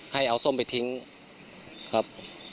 ให้เอาส้มไปทิ้งครับ